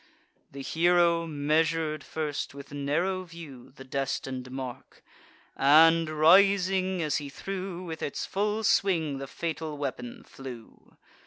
The hero measur'd first, with narrow view, The destin'd mark; and, rising as he threw, With its full swing the fatal weapon flew.